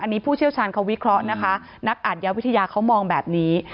อันนี้ผู้เชี่ยวชาญเขาวิเคราะห์นะคะนักอาทยาวิทยาเขามองแบบนี้